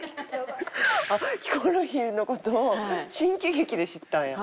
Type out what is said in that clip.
あっヒコロヒーの事を新喜劇で知ったんや。